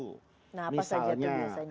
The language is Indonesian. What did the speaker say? nah apa saja kebiasaannya